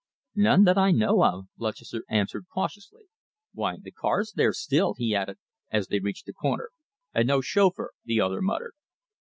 "None that I know of," Lutchester answered cautiously. "Why, the car's there still," he added, as they reached the corner. "And no chauffeur," the other muttered.